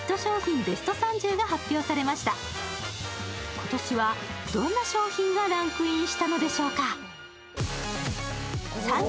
今年はどんな商品がランクインしたのでしょうか。